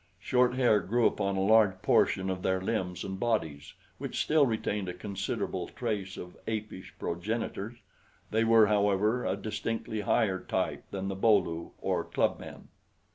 Short hair grew upon a large portion of their limbs and bodies, which still retained a considerable trace of apish progenitors. They were, however, a distinctly higher type than the Bo lu, or club men.